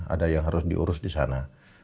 ada yang harus diurus di sana